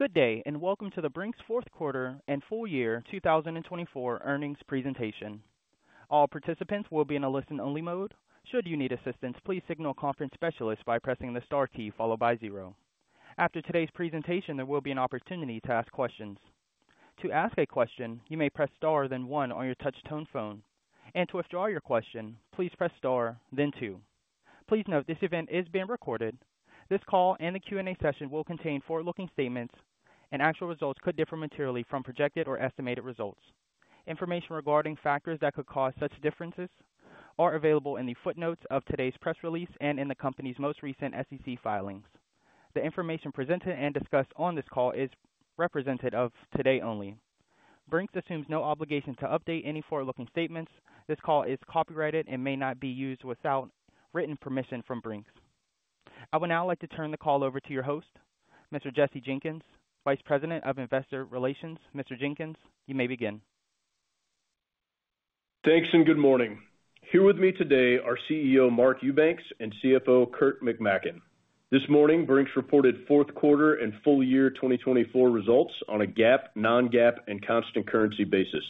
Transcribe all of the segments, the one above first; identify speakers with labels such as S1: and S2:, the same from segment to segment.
S1: Good day, and welcome to the Brink's fourth quarter and full year 2024 earnings presentation. All participants will be in a listen-only mode. Should you need assistance, please signal conference specialists by pressing the star key followed by zero. After today's presentation, there will be an opportunity to ask questions. To ask a question, you may press star then one on your touch tone phone. And to withdraw your question, please press star then two. Please note this event is being recorded. This call and the Q&A session will contain forward-looking statements, and actual results could differ materially from projected or estimated results. Information regarding factors that could cause such differences is available in the footnotes of today's press release and in the company's most recent SEC filings. The information presented and discussed on this call is representative of today only. Brink's assumes no obligation to update any forward-looking statements. This call is copyrighted and may not be used without written permission from Brink's. I would now like to turn the call over to your host, Mr. Jesse Jenkins, Vice President of Investor Relations. Mr. Jenkins, you may begin.
S2: Thanks and good morning. Here with me today are CEO Mark Eubanks and CFO Kurt McMaken. This morning, Brink's reported fourth quarter and full year 2024 results on a GAAP, non-GAAP, and constant currency basis.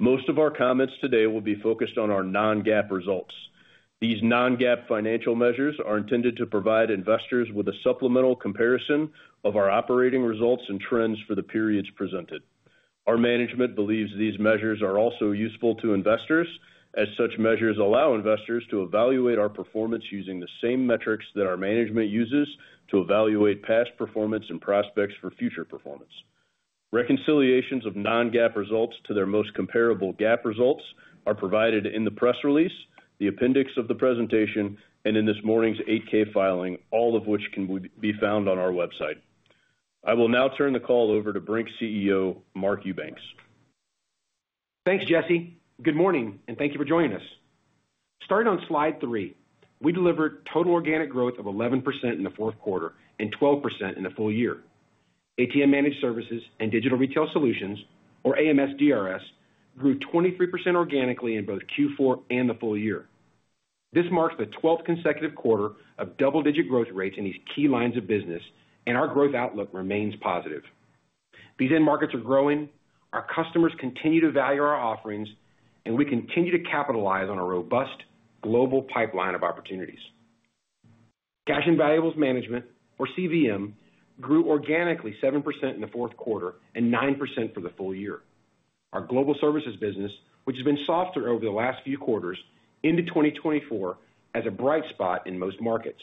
S2: Most of our comments today will be focused on our non-GAAP results. These non-GAAP financial measures are intended to provide investors with a supplemental comparison of our operating results and trends for the periods presented. Our management believes these measures are also useful to investors, as such measures allow investors to evaluate our performance using the same metrics that our management uses to evaluate past performance and prospects for future performance. Reconciliations of non-GAAP results to their most comparable GAAP results are provided in the press release, the appendix of the presentation, and in this morning's 8-K filing, all of which can be found on our website. I will now turn the call over to Brink's CEO, Mark Eubanks.
S3: Thanks, Jesse. Good morning, and thank you for joining us. Starting on slide three, we delivered total organic growth of 11% in the fourth quarter and 12% in the full year. ATM Managed Services and Digital Retail Solutions, or AMS DRS, grew 23% organically in both Q4 and the full year. This marks the 12th consecutive quarter of double-digit growth rates in these key lines of business, and our growth outlook remains positive. These end markets are growing, our customers continue to value our offerings, and we continue to capitalize on a robust global pipeline of opportunities. Cash and Valuables Management, or CVM, grew organically 7% in the fourth quarter and 9% for the full year. Our global services business, which has been softer over the last few quarters into 2024, has a bright spot in most markets.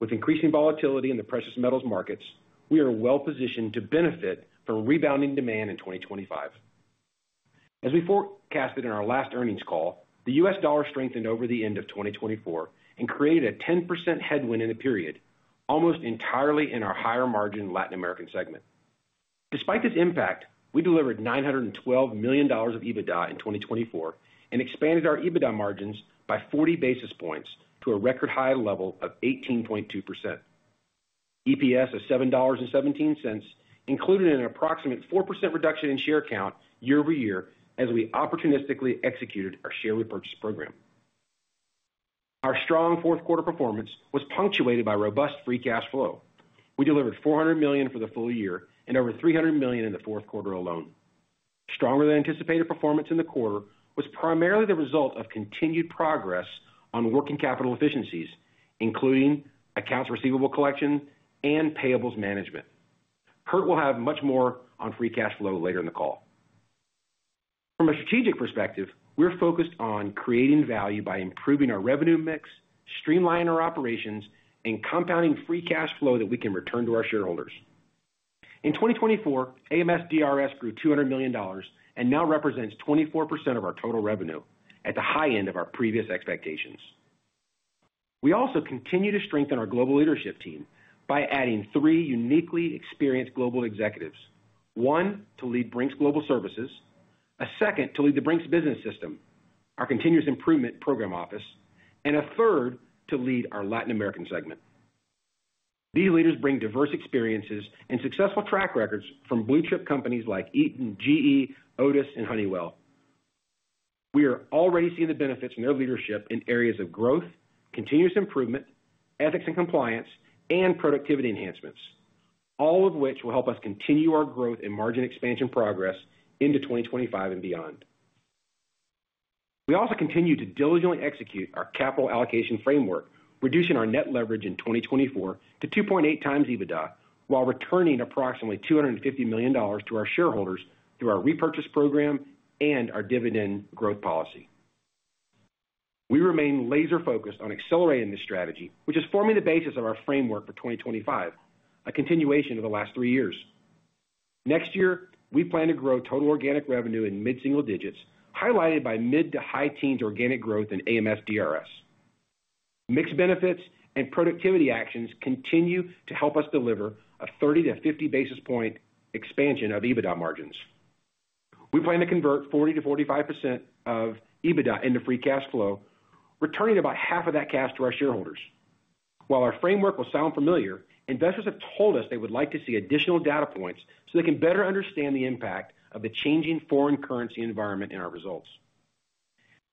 S3: With increasing volatility in the precious metals markets, we are well positioned to benefit from rebounding demand in 2025. As we forecasted in our last earnings call, the U.S. dollar strengthened over the end of 2024 and created a 10% headwind in the period, almost entirely in our higher margin Latin American segment. Despite this impact, we delivered $912 million of EBITDA in 2024 and expanded our EBITDA margins by 40 basis points to a record high level of 18.2%. EPS of $7.17 included an approximate 4% reduction in share count year-over-year as we opportunistically executed our share repurchase program. Our strong fourth quarter performance was punctuated by robust free cash flow. We delivered $400 million for the full year and over $300 million in the fourth quarter alone. Stronger than anticipated performance in the quarter was primarily the result of continued progress on working capital efficiencies, including accounts receivable collection and payables management. Kurt will have much more on free cash flow later in the call. From a strategic perspective, we're focused on creating value by improving our revenue mix, streamlining our operations, and compounding free cash flow that we can return to our shareholders. In 2024, AMS DRS grew $200 million and now represents 24% of our total revenue at the high end of our previous expectations. We also continue to strengthen our global leadership team by adding three uniquely experienced global executives: one to lead Brink's Global Services, a second to lead the Brink's Business System, our Continuous Improvement Program Office, and a third to lead our Latin American segment. These leaders bring diverse experiences and successful track records from blue chip companies like Eaton, GE, Otis, and Honeywell. We are already seeing the benefits from their leadership in areas of growth, continuous improvement, ethics and compliance, and productivity enhancements, all of which will help us continue our growth and margin expansion progress into 2025 and beyond. We also continue to diligently execute our capital allocation framework, reducing our net leverage in 2024 to 2.8 times EBITDA while returning approximately $250 million to our shareholders through our repurchase program and our dividend growth policy. We remain laser-focused on accelerating this strategy, which is forming the basis of our framework for 2025, a continuation of the last three years. Next year, we plan to grow total organic revenue in mid-single digits, highlighted by mid to high teens organic growth in AMS DRS. Mixed benefits and productivity actions continue to help us deliver a 30-50 basis point expansion of EBITDA margins. We plan to convert 40-45% of EBITDA into free cash flow, returning about half of that cash to our shareholders. While our framework will sound familiar, investors have told us they would like to see additional data points so they can better understand the impact of the changing foreign currency environment in our results.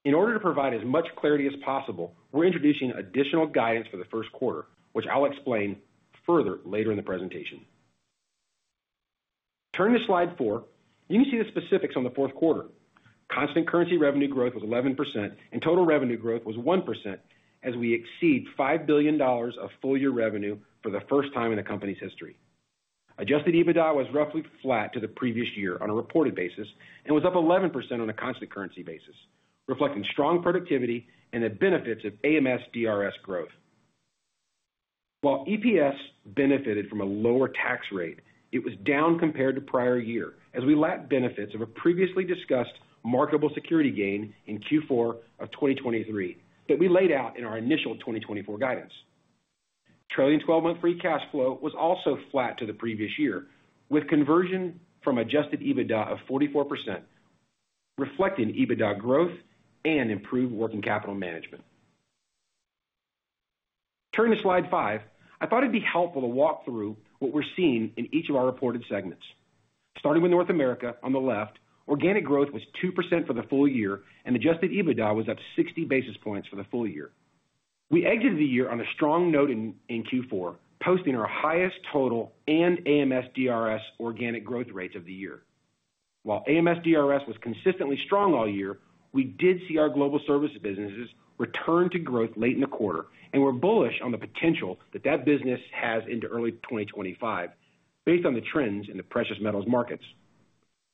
S3: In order to provide as much clarity as possible, we're introducing additional guidance for the first quarter, which I'll explain further later in the presentation. Turning to slide four, you can see the specifics on the fourth quarter. Constant currency revenue growth was 11%, and total revenue growth was 1% as we exceed $5 billion of full year revenue for the first time in the company's history. Adjusted EBITDA was roughly flat to the previous year on a reported basis and was up 11% on a constant currency basis, reflecting strong productivity and the benefits of AMS DRS growth. While EPS benefited from a lower tax rate, it was down compared to prior year as we lacked benefits of a previously discussed marketable security gain in Q4 of 2023 that we laid out in our initial 2024 guidance. Trailing 12-month free cash flow was also flat to the previous year, with conversion from adjusted EBITDA of 44% reflecting EBITDA growth and improved working capital management. Turning to slide five, I thought it'd be helpful to walk through what we're seeing in each of our reported segments. Starting with North America on the left, organic growth was 2% for the full year, and adjusted EBITDA was up 60 basis points for the full year. We exited the year on a strong note in Q4, posting our highest total and AMS DRS organic growth rates of the year. While AMS DRS was consistently strong all year, we did see our global service businesses return to growth late in the quarter and were bullish on the potential that that business has into early 2025 based on the trends in the precious metals markets.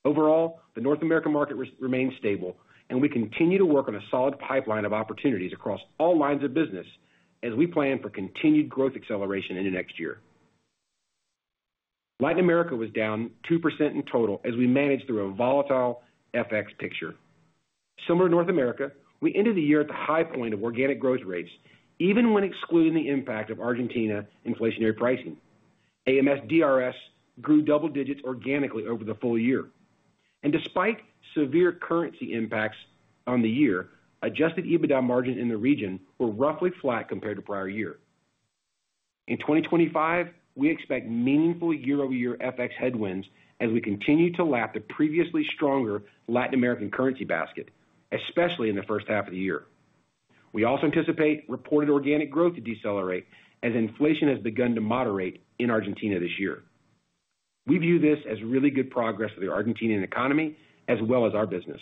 S3: Overall, the North American market remained stable, and we continue to work on a solid pipeline of opportunities across all lines of business as we plan for continued growth acceleration into next year. Latin America was down 2% in total as we managed through a volatile FX picture. Similar to North America, we ended the year at the high point of organic growth rates, even when excluding the impact of Argentina inflationary pricing. AMS DRS grew double digits organically over the full year. Despite severe currency impacts on the year, Adjusted EBITDA margins in the region were roughly flat compared to prior year. In 2025, we expect meaningful year-over-year FX headwinds as we continue to lap the previously stronger Latin American currency basket, especially in the first half of the year. We also anticipate reported organic growth to decelerate as inflation has begun to moderate in Argentina this year. We view this as really good progress for the Argentinian economy as well as our business.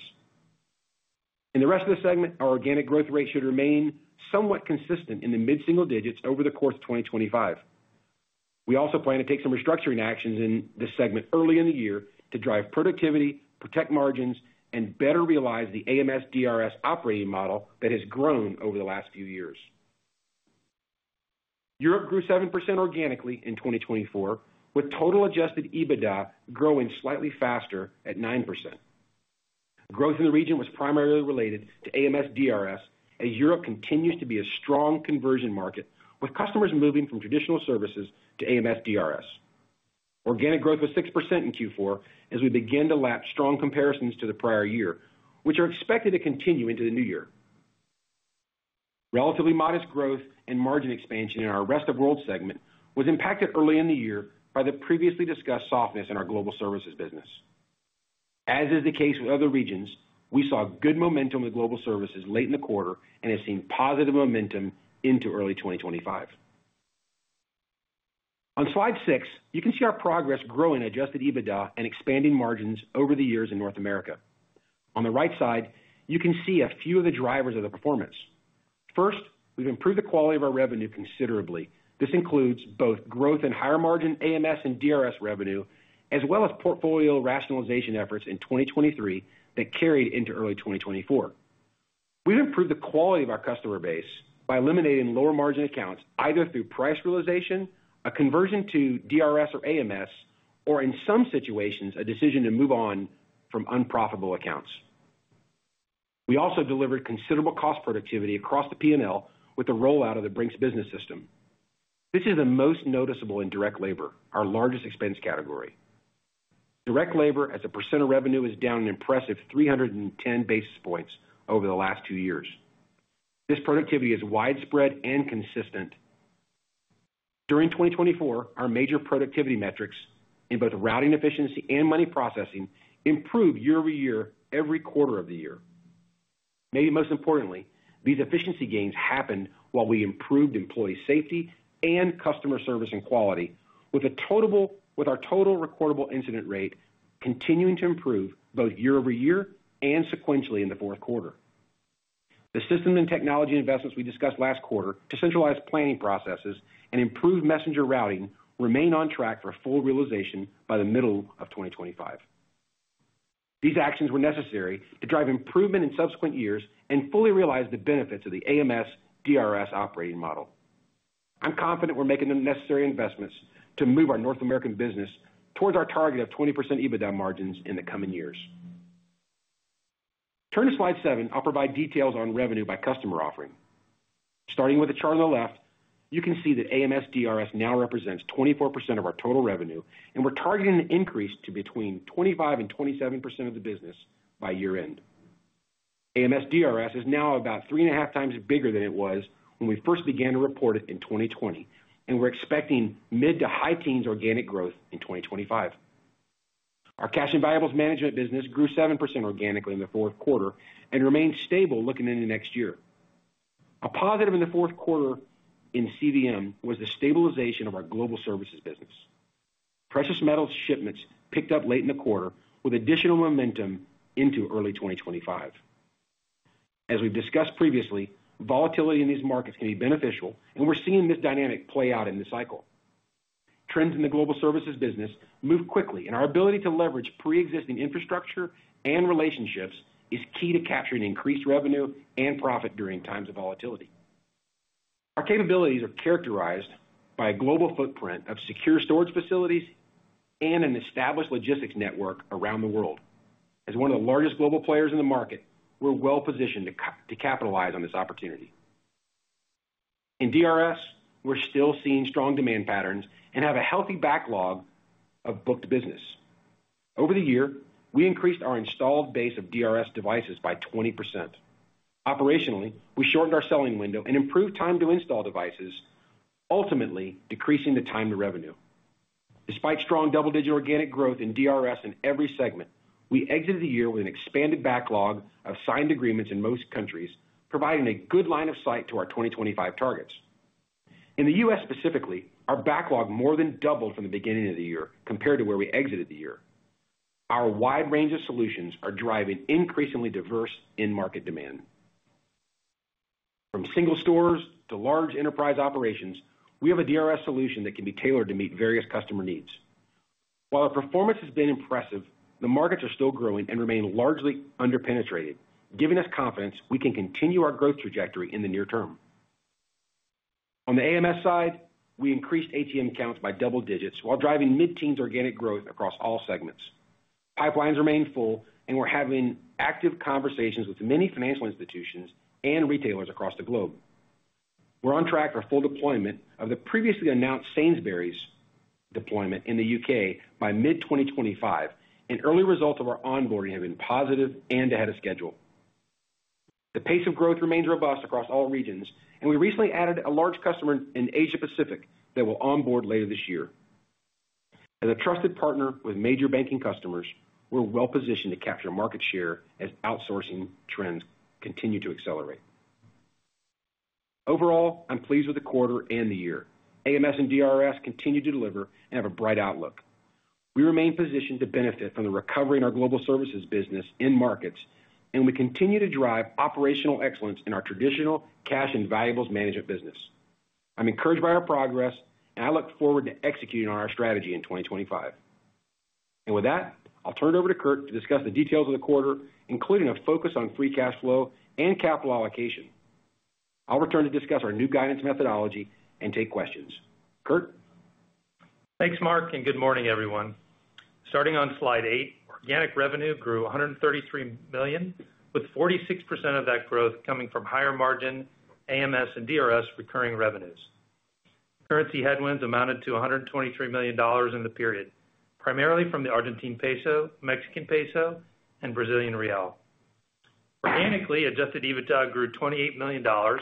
S3: In the rest of the segment, our organic growth rate should remain somewhat consistent in the mid-single digits over the course of 2025. We also plan to take some restructuring actions in this segment early in the year to drive productivity, protect margins, and better realize the AMS DRS operating model that has grown over the last few years. Europe grew 7% organically in 2024, with total adjusted EBITDA growing slightly faster at 9%. Growth in the region was primarily related to AMS DRS as Europe continues to be a strong conversion market, with customers moving from traditional services to AMS DRS. Organic growth was 6% in Q4 as we began to lap strong comparisons to the prior year, which are expected to continue into the new year. Relatively modest growth and margin expansion in our Rest of World segment was impacted early in the year by the previously discussed softness in our global services business. As is the case with other regions, we saw good momentum in the global services late in the quarter and have seen positive momentum into early 2025. On slide six, you can see our progress growing adjusted EBITDA and expanding margins over the years in North America. On the right side, you can see a few of the drivers of the performance. First, we've improved the quality of our revenue considerably. This includes both growth and higher margin AMS and DRS revenue, as well as portfolio rationalization efforts in 2023 that carried into early 2024. We've improved the quality of our customer base by eliminating lower margin accounts either through price realization, a conversion to DRS or AMS, or in some situations, a decision to move on from unprofitable accounts. We also delivered considerable cost productivity across the P&L with the rollout of the Brink's Business System. This is the most noticeable in direct labor, our largest expense category. Direct labor as a % of revenue is down an impressive 310 basis points over the last two years. This productivity is widespread and consistent. During 2024, our major productivity metrics in both routing efficiency and money processing improved year-over-year every quarter of the year. Maybe most importantly, these efficiency gains happened while we improved employee safety and customer service and quality, with our total recordable incident rate continuing to improve both year-over-year and sequentially in the fourth quarter. The systems and technology investments we discussed last quarter to centralize planning processes and improve messenger routing remain on track for full realization by the middle of 2025. These actions were necessary to drive improvement in subsequent years and fully realize the benefits of the AMS DRS operating model. I'm confident we're making the necessary investments to move our North American business towards our target of 20% EBITDA margins in the coming years. Turning to slide seven, I'll provide details on revenue by customer offering. Starting with the chart on the left, you can see that AMS DRS now represents 24% of our total revenue, and we're targeting an increase to between 25 and 27% of the business by year-end. AMS DRS is now about three and a half times bigger than it was when we first began to report it in 2020, and we're expecting mid to high teens organic growth in 2025. Our cash and valuables management business grew 7% organically in the fourth quarter and remained stable looking into next year. A positive in the fourth quarter in CVM was the stabilization of our global services business. Precious metals shipments picked up late in the quarter with additional momentum into early 2025. As we've discussed previously, volatility in these markets can be beneficial, and we're seeing this dynamic play out in the cycle. Trends in the global services business move quickly, and our ability to leverage pre-existing infrastructure and relationships is key to capturing increased revenue and profit during times of volatility. Our capabilities are characterized by a global footprint of secure storage facilities and an established logistics network around the world. As one of the largest global players in the market, we're well positioned to capitalize on this opportunity. In DRS, we're still seeing strong demand patterns and have a healthy backlog of booked business. Over the year, we increased our installed base of DRS devices by 20%. Operationally, we shortened our selling window and improved time to install devices, ultimately decreasing the time to revenue. Despite strong double-digit organic growth in DRS in every segment, we exited the year with an expanded backlog of signed agreements in most countries, providing a good line of sight to our 2025 targets. In the U.S. specifically, our backlog more than doubled from the beginning of the year compared to where we exited the year. Our wide range of solutions are driving increasingly diverse in-market demand. From single stores to large enterprise operations, we have a DRS solution that can be tailored to meet various customer needs. While our performance has been impressive, the markets are still growing and remain largely underpenetrated, giving us confidence we can continue our growth trajectory in the near term. On the AMS side, we increased ATM counts by double digits while driving mid-teens organic growth across all segments. Pipelines remain full, and we're having active conversations with many financial institutions and retailers across the globe. We're on track for full deployment of the previously announced Sainsbury's deployment in the U.K. by mid-2025, and early results of our onboarding have been positive and ahead of schedule. The pace of growth remains robust across all regions, and we recently added a large customer in Asia-Pacific that will onboard later this year. As a trusted partner with major banking customers, we're well positioned to capture market share as outsourcing trends continue to accelerate. Overall, I'm pleased with the quarter and the year. AMS and DRS continue to deliver and have a bright outlook. We remain positioned to benefit from the recovery in our global services business in markets, and we continue to drive operational excellence in our traditional cash and valuables management business. I'm encouraged by our progress, and I look forward to executing on our strategy in 2025. And with that, I'll turn it over to Kurt to discuss the details of the quarter, including a focus on free cash flow and capital allocation. I'll return to discuss our new guidance methodology and take questions. Kurt.
S4: Thanks, Mark, and good morning, everyone. Starting on slide eight, organic revenue grew $133 million, with 46% of that growth coming from higher margin AMS and DRS recurring revenues. Currency headwinds amounted to $123 million in the period, primarily from the Argentine peso, Mexican peso, and Brazilian real. Organically, adjusted EBITDA grew $28 million, or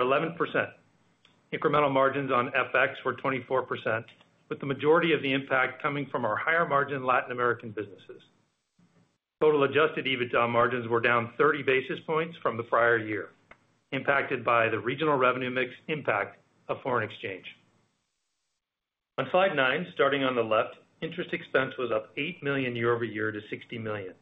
S4: 11%. Incremental margins on FX were 24%, with the majority of the impact coming from our higher margin Latin American businesses. Total adjusted EBITDA margins were down 30 basis points from the prior year, impacted by the regional revenue mix impact of foreign exchange. On slide nine, starting on the left, interest expense was up $8 million year-over-year to $60 million.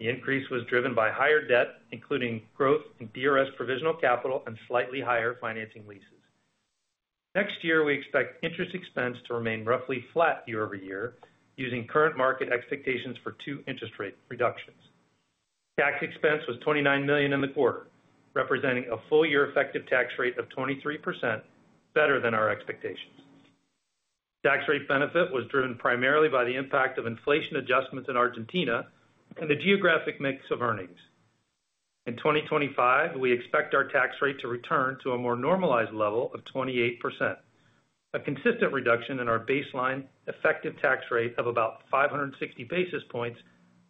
S4: The increase was driven by higher debt, including growth in DRS provisional capital and slightly higher financing leases. Next year, we expect interest expense to remain roughly flat year-over-year, using current market expectations for two interest rate reductions. Tax expense was $29 million in the quarter, representing a full year effective tax rate of 23%, better than our expectations. Tax rate benefit was driven primarily by the impact of inflation adjustments in Argentina and the geographic mix of earnings. In 2025, we expect our tax rate to return to a more normalized level of 28%, a consistent reduction in our baseline effective tax rate of about 560 basis points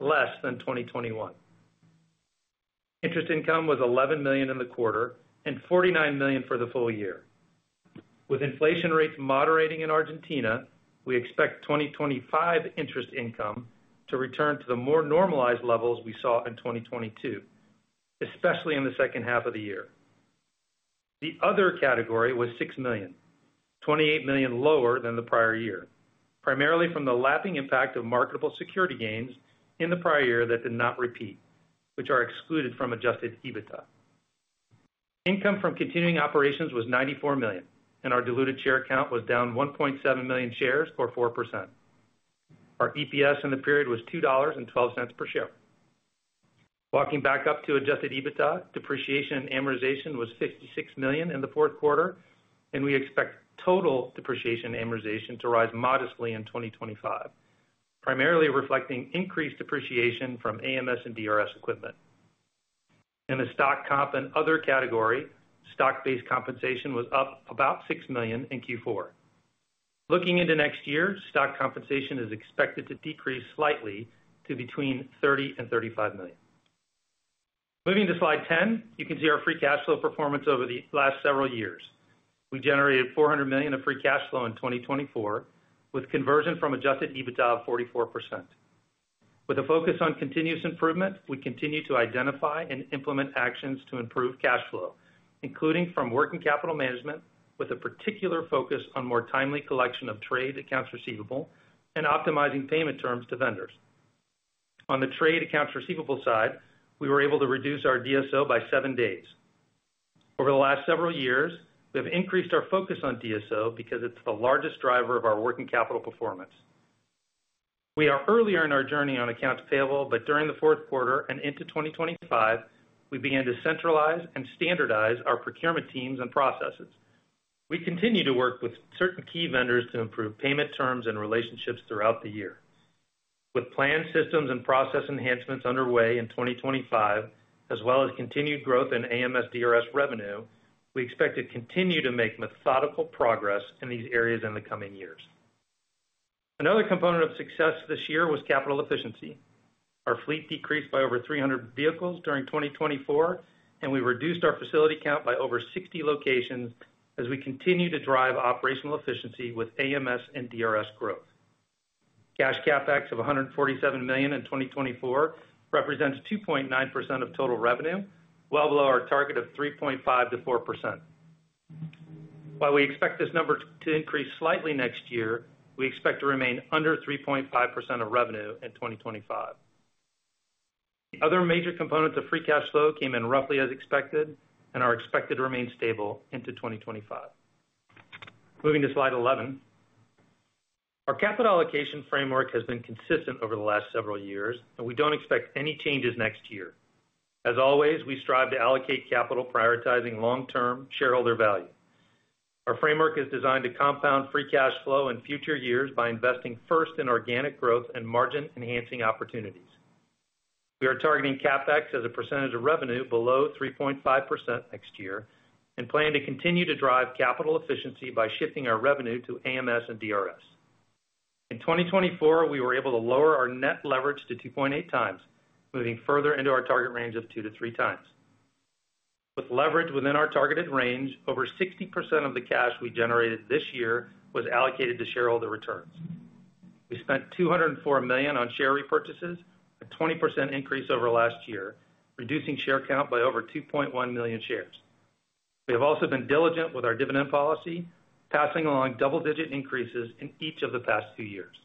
S4: less than 2021. Interest income was $11 million in the quarter and $49 million for the full year. With inflation rates moderating in Argentina, we expect 2025 interest income to return to the more normalized levels we saw in 2022, especially in the second half of the year. The other category was $6 million, $28 million lower than the prior year, primarily from the lapping impact of marketable security gains in the prior year that did not repeat, which are excluded from Adjusted EBITDA. Income from continuing operations was $94 million, and our diluted share count was down 1.7 million shares, or 4%. Our EPS in the period was $2.12 per share. Walking back up to Adjusted EBITDA, depreciation and amortization was $66 million in the fourth quarter, and we expect total depreciation and amortization to rise modestly in 2025, primarily reflecting increased depreciation from AMS and DRS equipment. In the stock comp and other category, stock-based compensation was up about $6 million in Q4. Looking into next year, stock compensation is expected to decrease slightly to between $30 million and $35 million. Moving to slide 10, you can see our free cash flow performance over the last several years. We generated $400 million of free cash flow in 2024, with conversion from Adjusted EBITDA of 44%. With a focus on continuous improvement, we continue to identify and implement actions to improve cash flow, including from working capital management, with a particular focus on more timely collection of trade accounts receivable and optimizing payment terms to vendors. On the trade accounts receivable side, we were able to reduce our DSO by seven days. Over the last several years, we have increased our focus on DSO because it's the largest driver of our working capital performance. We are earlier in our journey on accounts payable, but during the fourth quarter and into 2025, we began to centralize and standardize our procurement teams and processes. We continue to work with certain key vendors to improve payment terms and relationships throughout the year. With planned systems and process enhancements underway in 2025, as well as continued growth in AMS DRS revenue, we expect to continue to make methodical progress in these areas in the coming years. Another component of success this year was capital efficiency. Our fleet decreased by over 300 vehicles during 2024, and we reduced our facility count by over 60 locations as we continue to drive operational efficiency with AMS and DRS growth. Cash CapEx of $147 million in 2024 represents 2.9% of total revenue, well below our target of 3.5%-4%. While we expect this number to increase slightly next year, we expect to remain under 3.5% of revenue in 2025. The other major components of free cash flow came in roughly as expected and are expected to remain stable into 2025. Moving to slide 11. Our capital allocation framework has been consistent over the last several years, and we don't expect any changes next year. As always, we strive to allocate capital prioritizing long-term shareholder value. Our framework is designed to compound free cash flow in future years by investing first in organic growth and margin-enhancing opportunities. We are targeting CapEx as a percentage of revenue below 3.5% next year and plan to continue to drive capital efficiency by shifting our revenue to AMS and DRS. In 2024, we were able to lower our net leverage to 2.8 times, moving further into our target range of 2-3 times. With leverage within our targeted range, over 60% of the cash we generated this year was allocated to shareholder returns. We spent $204 million on share repurchases, a 20% increase over last year, reducing share count by over 2.1 million shares. We have also been diligent with our dividend policy, passing along double-digit increases in each of the past two years.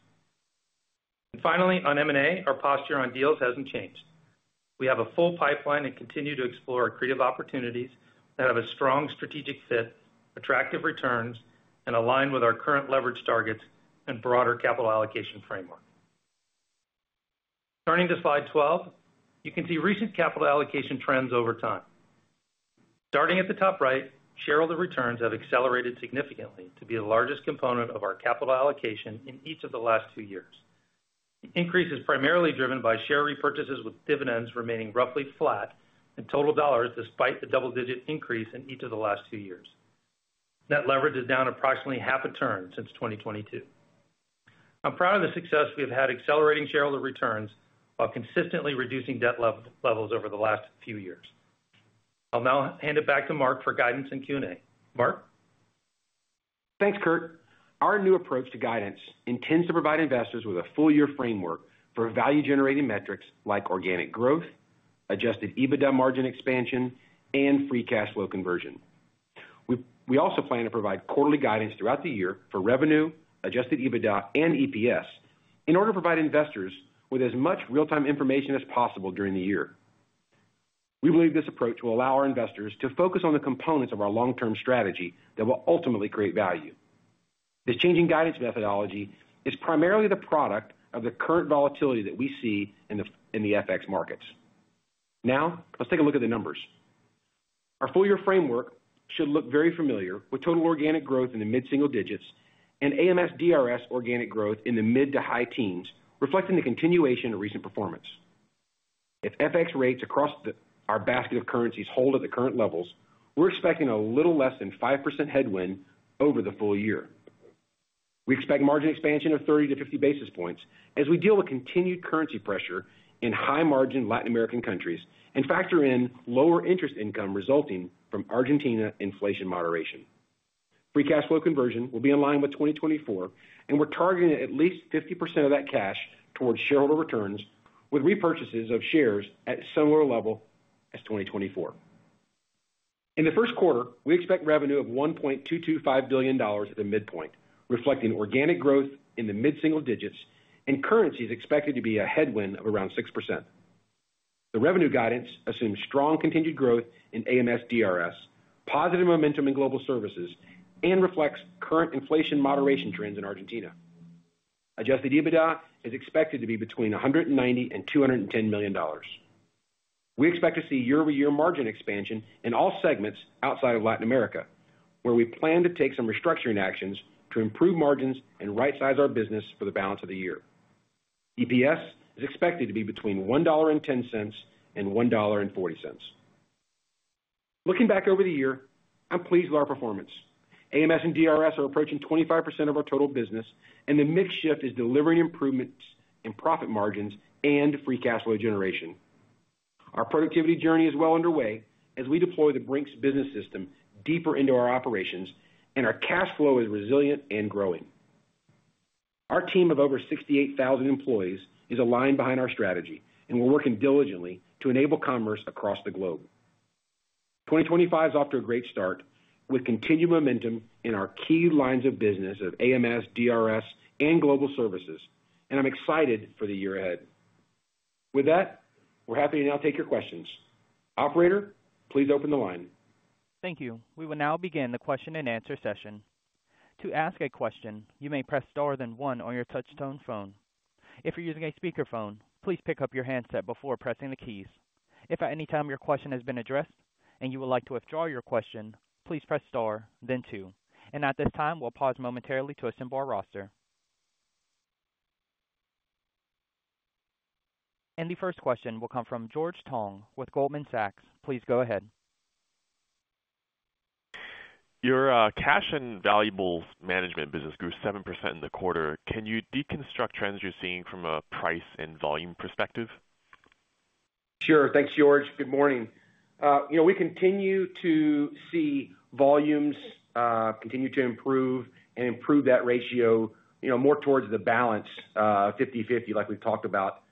S4: And finally, on M&A, our posture on deals hasn't changed. We have a full pipeline and continue to explore creative opportunities that have a strong strategic fit, attractive returns, and align with our current leverage targets and broader capital allocation framework. Turning to slide 12, you can see recent capital allocation trends over time. Starting at the top right, shareholder returns have accelerated significantly to be the largest component of our capital allocation in each of the last two years. The increase is primarily driven by share repurchases, with dividends remaining roughly flat in total dollars despite the double-digit increase in each of the last two years. Net leverage is down approximately half a turn since 2022. I'm proud of the success we have had accelerating shareholder returns while consistently reducing debt levels over the last few years. I'll now hand it back to Mark for guidance and Q&A. Mark?
S3: Thanks, Kurt. Our new approach to guidance intends to provide investors with a full-year framework for value-generating metrics like organic growth, adjusted EBITDA margin expansion, and free cash flow conversion. We also plan to provide quarterly guidance throughout the year for revenue, adjusted EBITDA, and EPS in order to provide investors with as much real-time information as possible during the year. We believe this approach will allow our investors to focus on the components of our long-term strategy that will ultimately create value. This changing guidance methodology is primarily the product of the current volatility that we see in the FX markets. Now, let's take a look at the numbers. Our full-year framework should look very familiar with total organic growth in the mid-single digits and AMS DRS organic growth in the mid to high teens, reflecting the continuation of recent performance. If FX rates across our basket of currencies hold at the current levels, we're expecting a little less than 5% headwind over the full year. We expect margin expansion of 30 to 50 basis points as we deal with continued currency pressure in high-margin Latin American countries and factor in lower interest income resulting from Argentina inflation moderation. Free cash flow conversion will be in line with 2024, and we're targeting at least 50% of that cash towards shareholder returns, with repurchases of shares at a similar level as 2024. In the first quarter, we expect revenue of $1.225 billion at the midpoint, reflecting organic growth in the mid-single digits and currencies expected to be a headwind of around 6%. The revenue guidance assumes strong continued growth in AMS DRS, positive momentum in global services, and reflects current inflation moderation trends in Argentina. Adjusted EBITDA is expected to be between $190 and $210 million. We expect to see year-over-year margin expansion in all segments outside of Latin America, where we plan to take some restructuring actions to improve margins and right-size our business for the balance of the year. EPS is expected to be between $1.10 and $1.40. Looking back over the year, I'm pleased with our performance. AMS and DRS are approaching 25% of our total business, and the mix shift is delivering improvements in profit margins and free cash flow generation. Our productivity journey is well underway as we deploy the Brink's Business System deeper into our operations, and our cash flow is resilient and growing. Our team of over 68,000 employees is aligned behind our strategy, and we're working diligently to enable commerce across the globe. 2025 is off to a great start with continued momentum in our key lines of business of AMS, DRS, and Global Services, and I'm excited for the year ahead. With that, we're happy to now take your questions. Operator, please open the line.
S1: Thank you. We will now begin the question-and-answer session. To ask a question, you may press star then one on your touch-tone phone. If you're using a speakerphone, please pick up your handset before pressing the keys. If at any time your question has been addressed and you would like to withdraw your question, please press star, then two. At this time, we'll pause momentarily to assemble our roster. The first question will come from George Tong with Goldman Sachs. Please go ahead.
S5: Your cash and valuables management business grew 7% in the quarter. Can you deconstruct trends you're seeing from a price and volume perspective?
S3: Sure. Thanks, George. Good morning. We continue to see volumes continue to improve and improve that ratio more towards the balance, 50/50, like we've talked about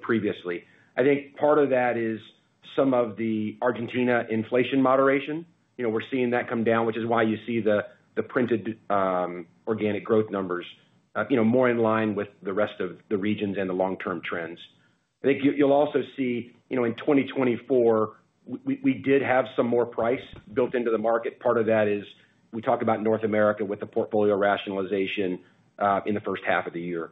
S3: previously. I think part of that is some of the Argentina inflation moderation. We're seeing that come down, which is why you see the printed organic growth numbers more in line with the rest of the regions and the long-term trends. I think you'll also see in 2024, we did have some more price built into the market. Part of that is we talk about North America with the portfolio rationalization in the first half of the year.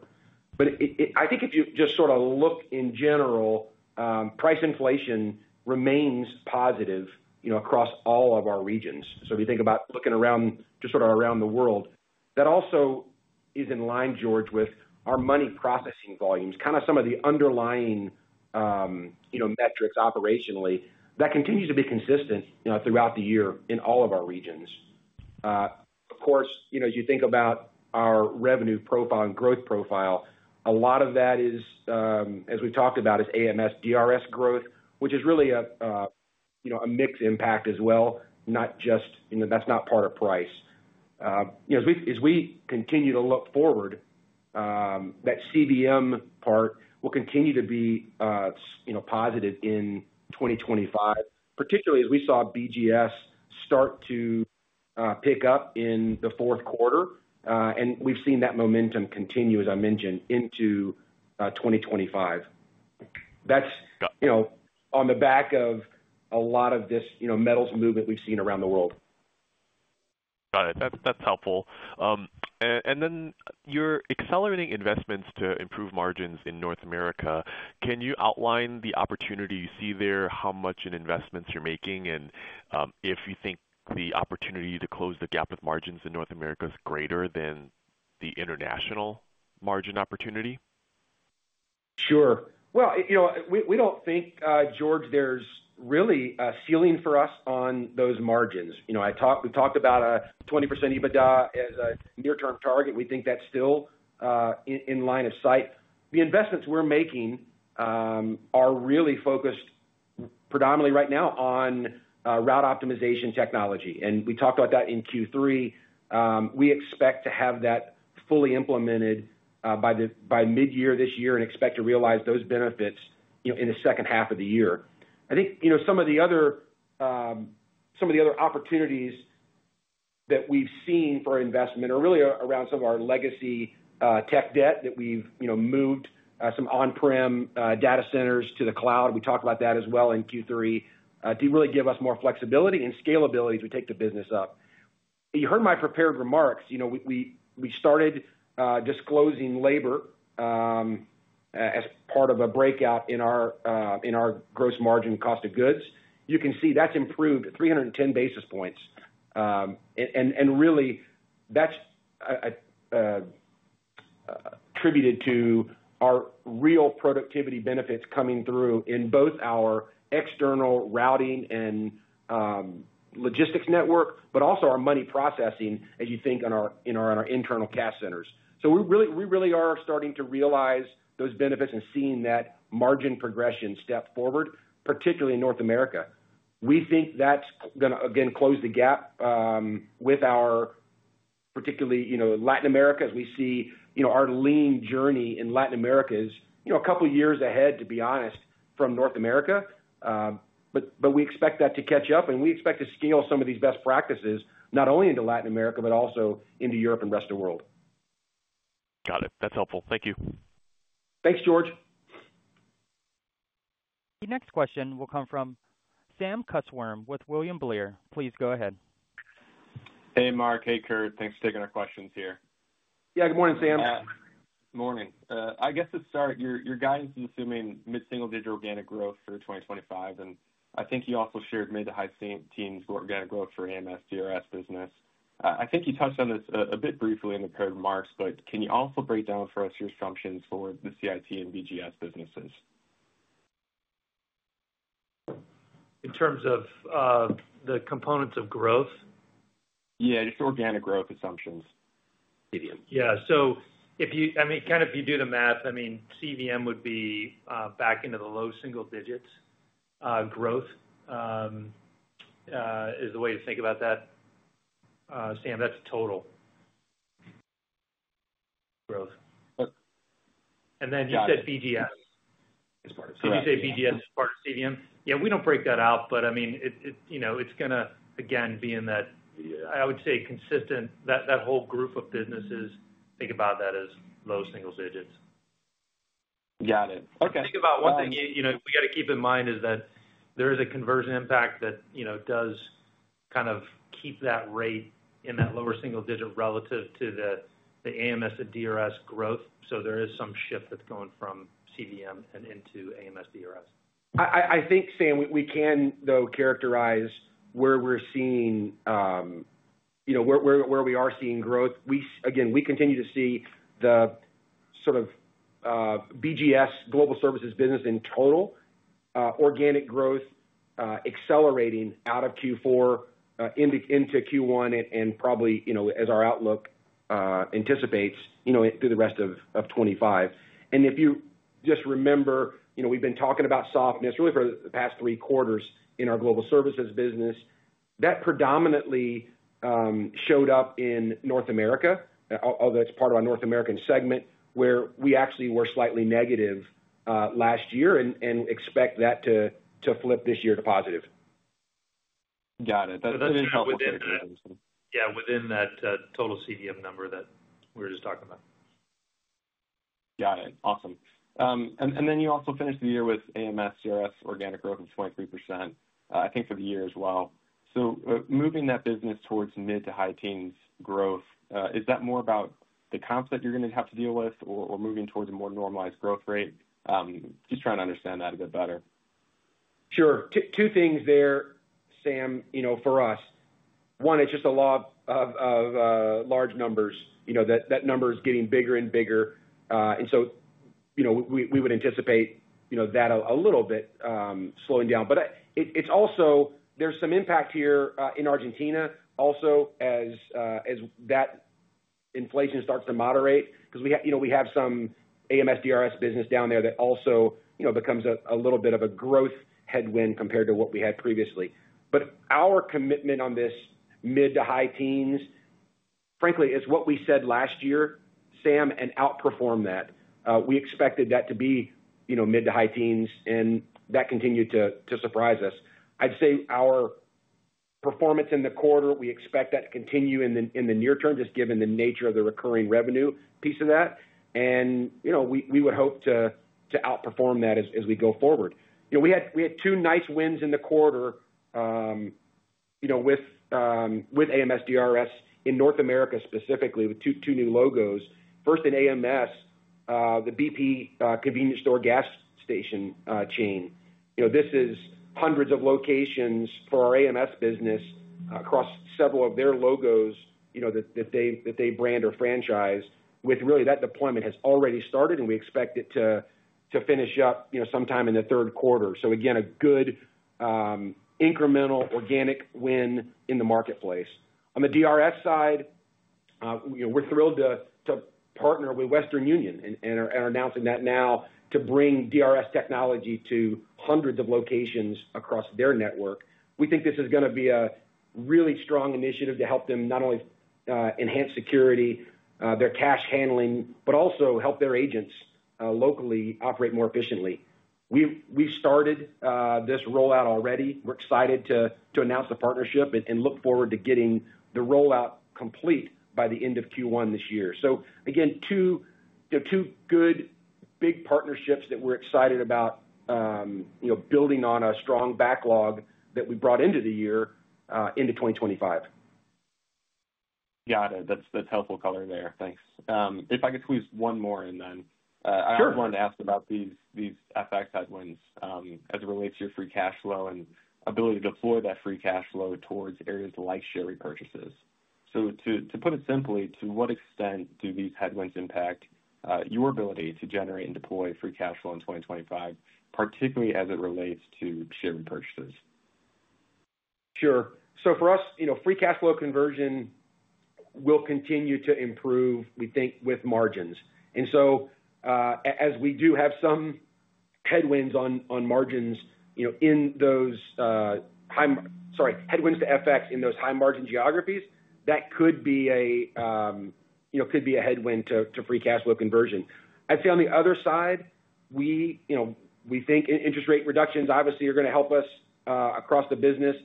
S3: But I think if you just sort of look in general, price inflation remains positive across all of our regions. So if you think about looking around just sort of around the world, that also is in line, George, with our money processing volumes, kind of some of the underlying metrics operationally that continue to be consistent throughout the year in all of our regions. Of course, as you think about our revenue profile and growth profile, a lot of that is, as we've talked about, is AMS DRS growth, which is really a mixed impact as well, not just that's not part of price. As we continue to look forward, that CVM part will continue to be positive in 2025, particularly as we saw BGS start to pick up in the fourth quarter. We've seen that momentum continue, as I mentioned, into 2025. That's on the back of a lot of this metals movement we've seen around the world.
S5: Got it. That's helpful. And then your accelerating investments to improve margins in North America. Can you outline the opportunity you see there, how much in investments you're making, and if you think the opportunity to close the gap with margins in North America is greater than the international margin opportunity?
S3: Sure. Well, we don't think, George, there's really a ceiling for us on those margins. We talked about a 20% EBITDA as a near-term target. We think that's still in line of sight. The investments we're making are really focused predominantly right now on route optimization technology, and we talked about that in Q3. We expect to have that fully implemented by mid-year this year and expect to realize those benefits in the second half of the year. I think some of the other opportunities that we've seen for investment are really around some of our legacy tech debt that we've moved some on-prem data centers to the cloud. We talked about that as well in Q3 to really give us more flexibility and scalability as we take the business up. You heard my prepared remarks. We started disclosing labor as part of a breakout in our gross margin cost of goods. You can see that's improved 310 basis points. Really, that's attributed to our real productivity benefits coming through in both our external routing and logistics network, but also our money processing, as you think, in our internal cash centers. So we really are starting to realize those benefits and seeing that margin progression step forward, particularly in North America. We think that's going to, again, close the gap with our particularly Latin America, as we see our lean journey in Latin America is a couple of years ahead, to be honest, from North America. But we expect that to catch up, and we expect to scale some of these best practices not only into Latin America, but also into Europe and the rest of the world. Got it.
S5: That's helpful. Thank you.
S3: Thanks, George.
S1: The next question will come from Sam Kusswurm with William Blair. Please go ahead.
S6: Hey, Mark. Hey, Kurt. Thanks for taking our questions here.
S3: Yeah. Good morning, Sam.
S6: Good morning. I guess to start, your guidance is assuming mid-single-digit organic growth for 2025. And I think you also shared mid-to-high-teens organic growth for AMS DRS business. I think you touched on this a bit briefly in the current remarks, but can you also break down for us your assumptions for the CIT and BGS businesses?
S3: In terms of the components of growth?
S6: Yeah, just organic growth assumptions.
S3: Yeah. So I mean, kind of if you do the math, I mean, CVM would be back into the low single digits. Growth is the way to think about that. Sam, that's total growth. And then you said BGS. Did you say BGS is part of CVM? Yeah, we don't break that out, but I mean, it's going to, again, be in that, I would say, consistent that whole group of businesses think about that as low single digits.
S6: Got it. Okay.
S3: Think about one thing we got to keep in mind is that there is a conversion impact that does kind of keep that rate in that lower single digit relative to the AMS and DRS growth. So there is some shift that's going from CVM and into AMS DRS.
S4: I think, Sam, we can, though, characterize where we are seeing growth. Again, we continue to see the sort of BGS Global Services business in total organic growth accelerating out of Q4 into Q1 and probably, as our outlook anticipates, through the rest of 2025. And if you just remember, we've been talking about softness really for the past three quarters in our global services business. That predominantly showed up in North America, although it's part of our North American segment, where we actually were slightly negative last year and expect that to flip this year to positive.
S6: Got it. That's helpful.
S3: Yeah, within that total CVM number that we were just talking about.
S6: Got it. Awesome. And then you also finished the year with AMS DRS organic growth of 23%, I think, for the year as well. So moving that business towards mid-to-high teens growth, is that more about the comps that you're going to have to deal with or moving towards a more normalized growth rate? Just trying to understand that a bit better.
S4: Sure. Two things there, Sam, for us. One, it's just a lot of large numbers. That number is getting bigger and bigger, and so we would anticipate that a little bit slowing down, but there's some impact here in Argentina also as that inflation starts to moderate because we have some AMS DRS business down there that also becomes a little bit of a growth headwind compared to what we had previously, but our commitment on this mid-to-high teens, frankly, is what we said last year, Sam, and outperform that. We expected that to be mid-to-high teens, and that continued to surprise us. I'd say our performance in the quarter, we expect that to continue in the near term just given the nature of the recurring revenue piece of that, and we would hope to outperform that as we go forward. We had two nice wins in the quarter with AMS DRS in North America specifically with two new logos. First, in AMS, the BP convenience store gas station chain. This is hundreds of locations for our AMS business across several of their logos that they brand or franchise. With really, that deployment has already started, and we expect it to finish up sometime in the third quarter. So again, a good incremental organic win in the marketplace. On the DRS side, we're thrilled to partner with Western Union and are announcing that now to bring DRS technology to hundreds of locations across their network. We think this is going to be a really strong initiative to help them not only enhance security, their cash handling, but also help their agents locally operate more efficiently. We've started this rollout already. We're excited to announce the partnership and look forward to getting the rollout complete by the end of Q1 this year. So again, two good big partnerships that we're excited about building on a strong backlog that we brought into the year into 2025.
S6: Got it. That's helpful color there. Thanks. If I could squeeze one more in then.
S4: Sure.
S6: I wanted to ask about these FX headwinds as it relates to your free cash flow and ability to deploy that free cash flow towards areas like share repurchases. So to put it simply, to what extent do these headwinds impact your ability to generate and deploy free cash flow in 2025, particularly as it relates to share repurchases?
S4: Sure. So for us, free cash flow conversion will continue to improve, we think, with margins. And so as we do have some headwinds on margins in those high sorry, headwinds to FX in those high margin geographies, that could be a headwind to free cash flow conversion. I'd say on the other side, we think interest rate reductions obviously are going to help us across the business,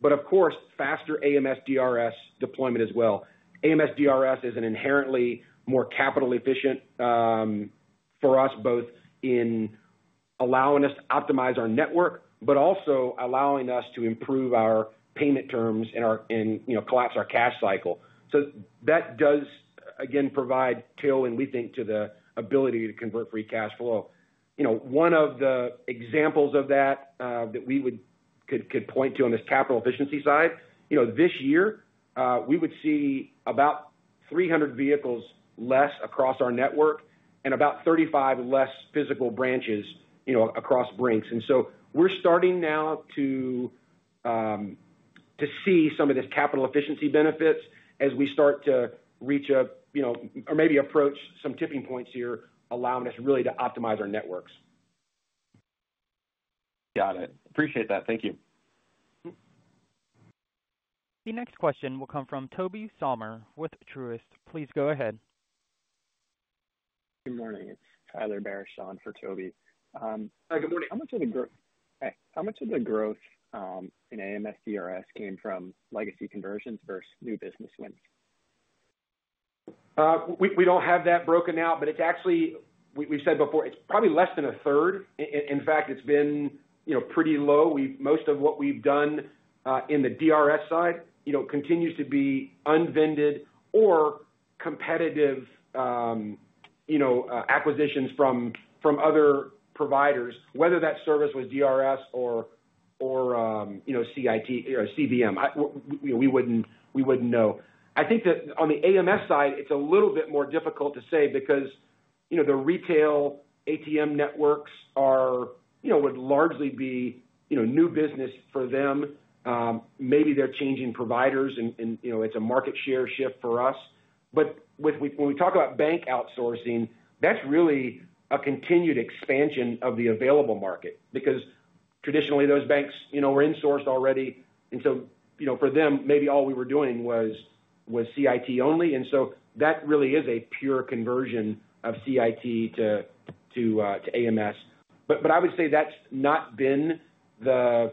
S4: but of course, faster AMS DRS deployment as well. AMS DRS is an inherently more capital efficient for us, both in allowing us to optimize our network, but also allowing us to improve our payment terms and collapse our cash cycle. So that does, again, provide tailwind, we think, to the ability to convert free cash flow. One of the examples of that that we could point to on this capital efficiency side, this year, we would see about 300 vehicles less across our network and about 35 less physical branches across Brink's. And so we're starting now to see some of these capital efficiency benefits as we start to reach or maybe approach some tipping points here, allowing us really to optimize our networks. Got it.
S6: Appreciate that. Thank you.
S1: The next question will come from Toby Sommer with Truist. Please go ahead.
S7: Good morning. It's Tyler Boshara for Toby.
S4: Hi. Good morning.
S7: How much of the growth in AMS DRS came from legacy conversions versus new business wins?
S4: We don't have that broken out, but it's actually we said before, it's probably less than a third. In fact, it's been pretty low. Most of what we've done in the DRS side continues to be unvended or competitive acquisitions from other providers, whether that service was DRS or CIT or CVM. We wouldn't know. I think that on the AMS side, it's a little bit more difficult to say because the retail ATM networks would largely be new business for them. Maybe they're changing providers, and it's a market share shift for us. But when we talk about bank outsourcing, that's really a continued expansion of the available market because traditionally, those banks were insourced already. And so for them, maybe all we were doing was CIT only. And so that really is a pure conversion of CIT to AMS. But I would say that's not been the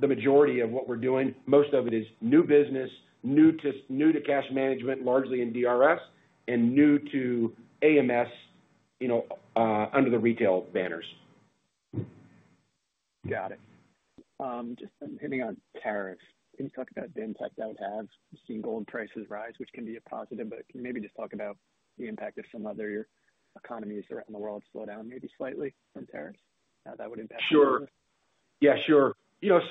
S4: majority of what we're doing. Most of it is new business, new to cash management, largely in DRS, and new to AMS under the retail banners.
S7: Got it. Just hitting on tariffs. Can you talk about the impact that would have seeing gold prices rise, which can be a positive, but maybe just talk about the impact of some other economies around the world slow down maybe slightly from tariffs? How that would impact?
S3: Sure. Yeah, sure.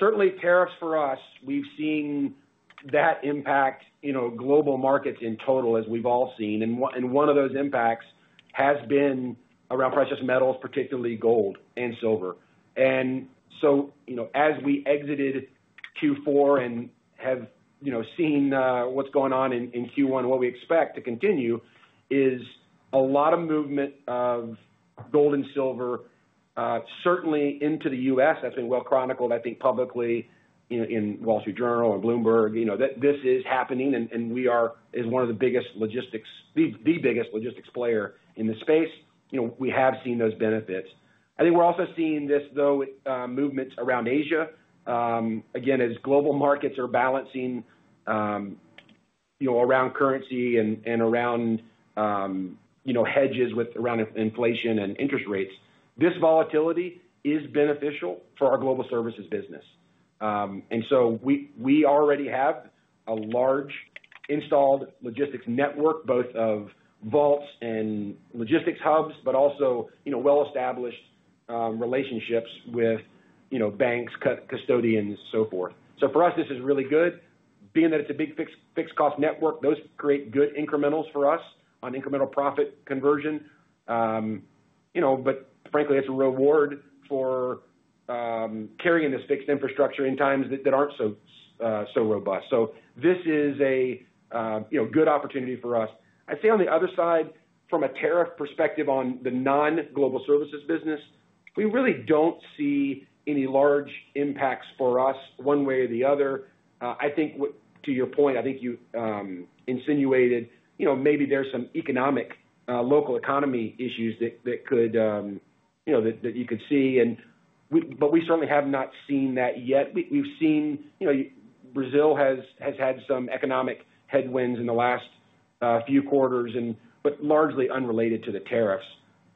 S3: Certainly, tariffs for us, we've seen that impact global markets in total as we've all seen. One of those impacts has been around precious metals, particularly gold and silver. So as we exited Q4 and have seen what's going on in Q1 and what we expect to continue is a lot of movement of gold and silver, certainly into the U.S. That's been well chronicled, I think, publicly in Wall Street Journal and Bloomberg. This is happening, and we are one of the biggest logistics player in the space. We have seen those benefits. I think we're also seeing this, though, movements around Asia. Again, as global markets are balancing around currency and around hedges with around inflation and interest rates, this volatility is beneficial for our global services business. So we already have a large installed logistics network, both of vaults and logistics hubs, but also well-established relationships with banks, custodians, so forth. So for us, this is really good. Being that it's a big fixed cost network, those create good incrementals for us on incremental profit conversion. But frankly, it's a reward for carrying this fixed infrastructure in times that aren't so robust. So this is a good opportunity for us. I'd say on the other side, from a tariff perspective on the non-global services business, we really don't see any large impacts for us one way or the other. I think to your point, I think you insinuated maybe there's some economic local economy issues that you could see. But we certainly have not seen that yet. We've seen Brazil has had some economic headwinds in the last few quarters, but largely unrelated to the tariffs.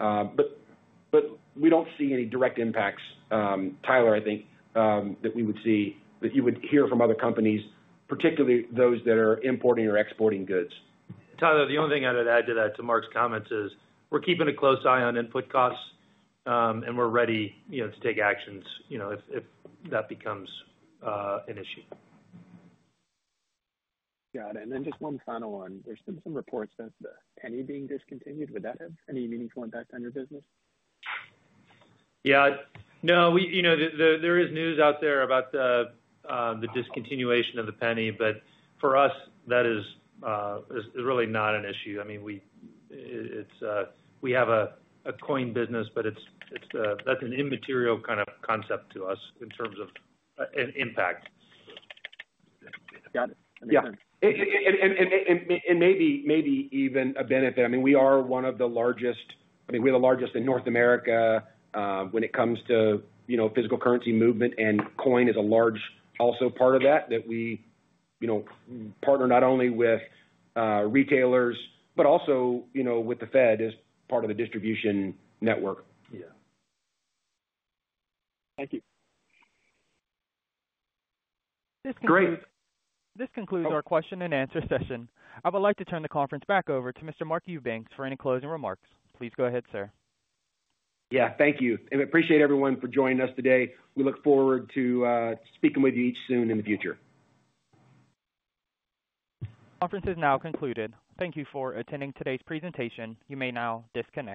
S3: But we don't see any direct impacts, Tyler. I think that we would see that you would hear from other companies, particularly those that are importing or exporting goods.
S4: Tyler, the only thing I'd add to that, to Mark's comments, is we're keeping a close eye on input costs, and we're ready to take actions if that becomes an issue.
S7: Got it. And then just one final one. There's been some reports of the penny being discontinued. Would that have any meaningful impact on your business?
S4: Yeah. No, there is news out there about the discontinuation of the penny, but for us, that is really not an issue. I mean, we have a coin business, but that's an immaterial kind of concept to us in terms of impact.
S7: Got it. That makes sense.
S3: Yeah. And maybe even a benefit. I mean, we are one of the largest. I mean, we're the largest in North America when it comes to physical currency movement, and coin is a large also part of that that we partner not only with retailers but also with the Fed as part of the distribution network. Yeah.
S7: Thank you. Great.
S1: This concludes our question and answer session. I would like to turn the conference back over to Mr. Mark Eubanks for any closing remarks. Please go ahead, sir.
S3: Yeah. Thank you. And we appreciate everyone for joining us today. We look forward to speaking with you each soon in the future.
S1: Conference is now concluded. Thank you for attending today's presentation. You may now disconnect.